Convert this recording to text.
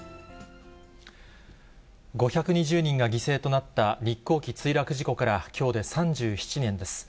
５２０人が犠牲となった日航機墜落事故からきょうで３７年です。